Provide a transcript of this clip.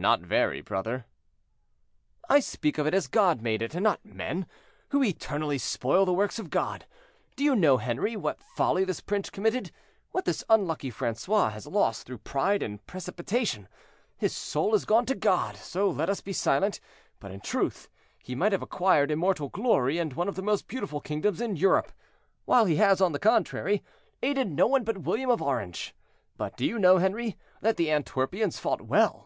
"Not very, brother." "I speak of it as God made it, and not men, who eternally spoil the works of God. Do you know, Henri, what folly this prince committed—what this unlucky Francois has lost through pride and precipitation? His soul is gone to God, so let us be silent; but in truth he might have acquired immortal glory and one of the most beautiful kingdoms in Europe, while he has, on the contrary, aided no one but William of Orange. But do you know, Henri, that the Antwerpians fought well?"